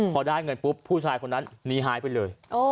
พอได้เงินปุ๊บผู้ชายคนนั้นหนีหายไปเลย